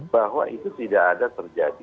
bahwa itu tidak ada terjadi